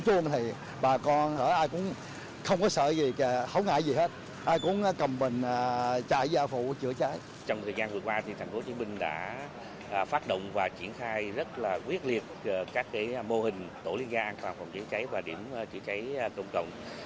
trong thời gian vừa qua tp hcm đã phát động và triển khai rất quyết liệt các mô hình tổ liên gia an toàn phòng cháy chữa cháy và điểm chữa cháy công cộng